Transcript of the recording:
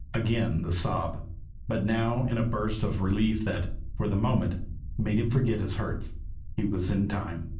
Again the sob but now in a burst of relief that, for the moment, made him forget his hurts. He was in time!